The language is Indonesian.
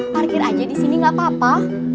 parkir aja disini gak apa apa